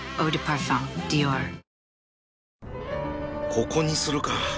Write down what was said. ここにするか。